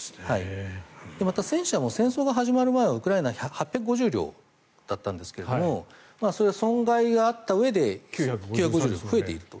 また、戦車も戦争が始まる前はウクライナは８５０両だったんですが損害があったうえで９５０に増えていると。